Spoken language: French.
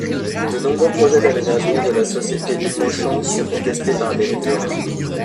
De nombreux nouveaux projets d'aménagement de la société Immochan sont contestés par des riverains.